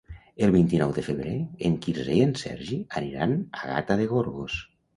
El vint-i-nou de febrer en Quirze i en Sergi aniran a Gata de Gorgos.